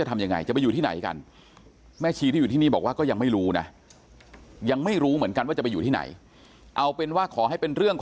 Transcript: ไม่มีใครคิดทำตามนะคะ